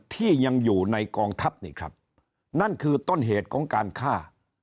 ที่ยังอยู่ในกองทัพนี่ครับนั่นคือต้นเหตุของการฆ่า